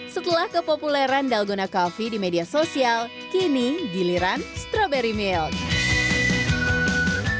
setelah kepopuleran dalgona coffee di media sosial kini giliran strawberry milk